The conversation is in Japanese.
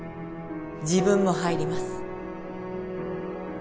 自分も入ります